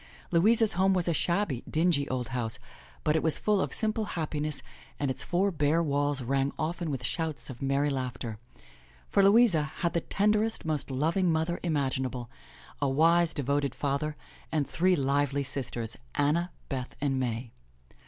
Louisa's home was a shabby, dingy old house, but it was full of simple happi ness and its four bare walls rang often with shouts of merry laugh ter. For Louisa had the tenderest, most loving mother imaginable, a wise, devoted father and three lively sisters, Anna, Beth and May.